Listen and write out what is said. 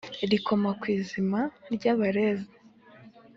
Rikoma ku izima ryabareze